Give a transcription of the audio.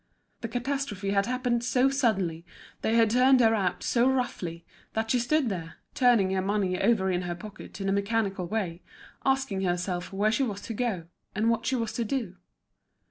The catastrophe had happened so suddenly, they had turned her out so roughly, that she stood there, turning her money over in her pocket in a mechanical way, asking herself where she was to go, and what she was to do.